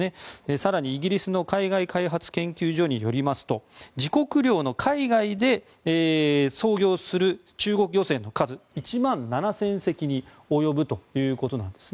更に、イギリスの海外開発研究所によりますと自国領の海外で操業する中国漁船の数は１万７０００隻に及ぶということなんです。